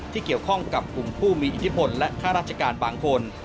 ที่เกี่ยวข้องกับกลุ่มผู้มีอิทธิพลและค่าราชการบางคน